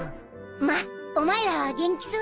まっお前らは元気そうだな。